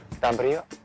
kita hampir yuk